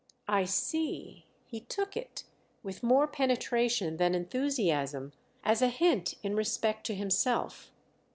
"I see"—he took it, with more penetration than enthusiasm, as a hint in respect to himself.